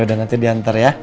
udah nanti diantar ya